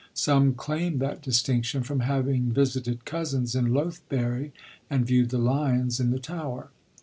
Some claim that distinc tion from having visited cousins in Lothbury and viewed the lions in the tower.